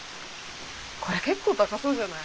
これ結構高そうじゃない？